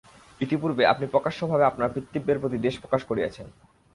ইতিপূর্বে আপনি প্রকাশ্যভাবে আপনার পিতৃব্যের প্রতি দ্বেষ প্রকাশ করিয়াছেন।